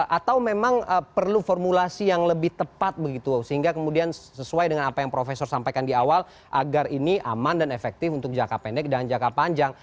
atau memang perlu formulasi yang lebih tepat begitu sehingga kemudian sesuai dengan apa yang profesor sampaikan di awal agar ini aman dan efektif untuk jangka pendek dan jangka panjang